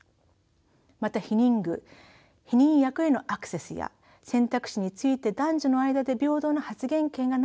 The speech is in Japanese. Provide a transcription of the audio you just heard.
また避妊具避妊薬へのアクセスや選択肢について男女の間で平等な発言権がないことも挙げられます。